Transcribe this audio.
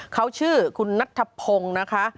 เขาชื่อคุณนัทธพงศ์นะคะ